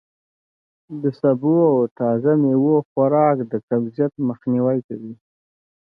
د سبو او تازه میوو خوراک د قبضیت مخنوی کوي.